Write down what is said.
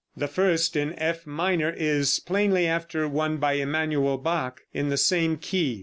The first in F minor, is plainly after one by Emanuel Bach in the same key.